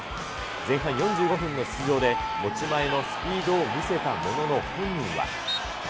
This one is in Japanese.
前半４５分の出場で、持ち前のスピードを見せたものの、本人は。